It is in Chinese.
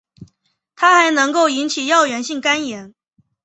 它还能够引起药源性肝炎。